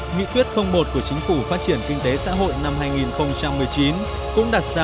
nghị quyết một của chính phủ phát triển kinh tế xã hội năm hai nghìn một mươi chín cũng đặt ra